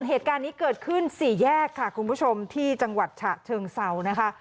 เหตุการณ์นี้เกิดขึ้นสี่แยกค่ะคุณผู้ชมที่จังหวัดฉะเชิงเซานะคะ